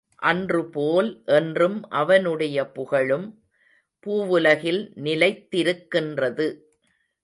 அன்று போல் என்றும் அவனுடைய புகழும் பூவுலகில் நிலைத் திருக்கின்றது.